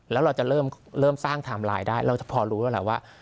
แล้วเราจะเริ่มสร้างไทม์ไลน์ได้เราจะพอรู้แล้วแหละว่า